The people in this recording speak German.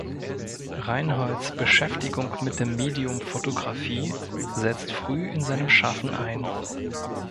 Reinholds Beschäftigung mit dem Medium Fotografie setzt früh in seinem Schaffen ein.